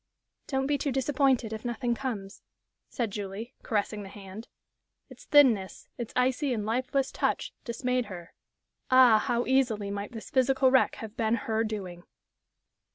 "Don't be too disappointed if nothing comes," said Julie, caressing the hand. Its thinness, its icy and lifeless touch, dismayed her. Ah, how easily might this physical wreck have been her doing!